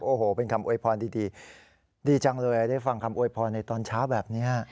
โอ้โหเป็นคำอวยพรดีดีจังเลยได้ฟังคำอวยพรในตอนเช้าแบบนี้